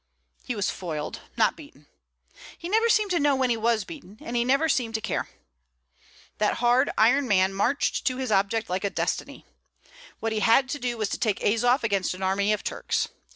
He was foiled, not beaten. He never seemed to know when he was beaten, and he never seemed to care. That hard, iron man marched to his object like a destiny. What he had to do was to take Azof against an army of Turks.